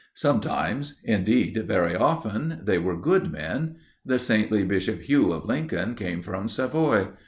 Sometimes, indeed very often, they were good men. The saintly Bishop Hugh of Lincoln came from Savoy.